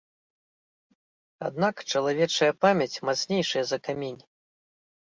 Аднак чалавечая памяць мацнейшая за камень.